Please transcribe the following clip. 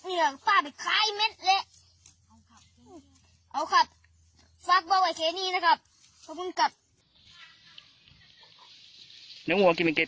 อืมงัวไม่เห็นแล้วครับแต่ว่ากินไอ้เนี้ยครับ